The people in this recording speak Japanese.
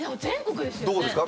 どこですか？